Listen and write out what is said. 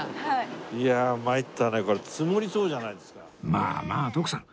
まあまあ徳さん